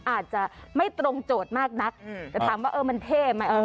อาจจะไม่ตรงโจทย์มากนักแต่ถามว่าเออมันเท่ไหม